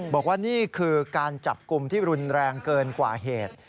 บอกว่านี่คือการจับกลุ่มที่รุนแรงเกินกว่าเหตุ